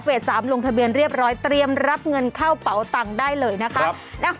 ๓ลงทะเบียนเรียบร้อยเตรียมรับเงินเข้าเป๋าตังค์ได้เลยนะคะ